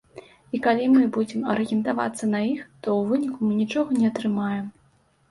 І калі мы будзем арыентавацца на іх, то ў выніку мы нічога не атрымаем.